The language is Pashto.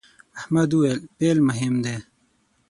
احمد وويل: پیل مهم دی.